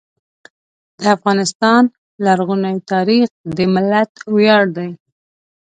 د افغانستان لرغونی تاریخ د ملت ویاړ دی.